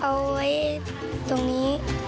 เอาไว้ตรงนี้